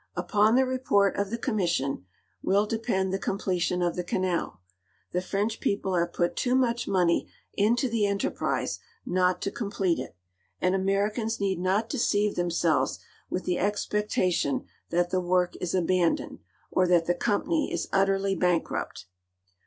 Upon the report of the commission will depend the completion of the canal. The French people have put too much money into the enterprise not to complete it, and Americans need not deceive themselves with the expectation that the work is abandoned or that the company is utterly bankrupt.